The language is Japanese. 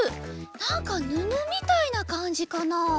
なんかぬのみたいなかんじかな？